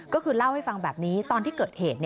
ก็คือเล่าให้ฟังแบบนี้ตอนที่เกิดเหตุ